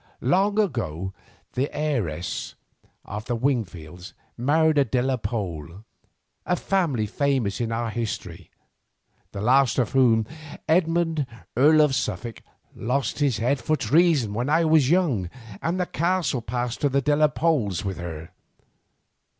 Long ago the heiress of the Wingfields married a De la Pole, a family famous in our history, the last of whom, Edmund, Earl of Suffolk, lost his head for treason when I was young, and the castle passed to the De la Poles with her.